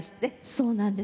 そうなんです。